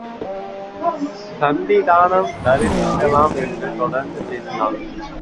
சந்நிதானம் தரிசிக்கலாம் என்று தொடர்ந்து பேசினாள்.